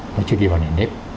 nó chưa đi vào nền nếp